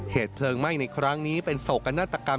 เหตุเพลิงไหม้ในครั้งนี้เป็นโศกนาฏกรรม